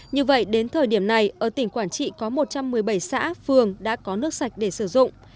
như vậy đến thời điểm này ở tỉnh quảng trị có một trăm một mươi bảy xã phường đã có nước sạch để sử dụng